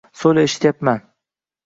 Soʻyla, eshityapman.